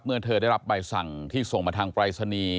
เธอได้รับใบสั่งที่ส่งมาทางปรายศนีย์